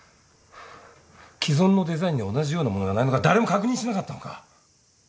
既存のデザインで同じようなものがないのか誰も確認しなかったのか？